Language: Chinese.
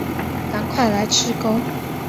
赶快来吃钩